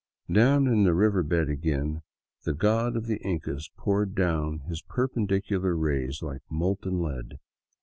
Down in the river bed again the god of the Incas poured down his perpendicular rays like molten lead.